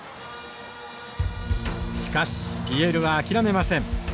しかしＰＬは諦めません。